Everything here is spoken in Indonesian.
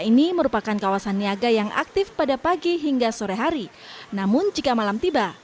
ini merupakan kawasan niaga yang aktif pada pagi hingga sore hari namun jika malam tiba